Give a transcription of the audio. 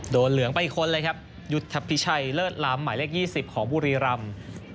เหลืองไปคนเลยครับยุทธพิชัยเลิศล้ำหมายเลข๒๐ของบุรีรำ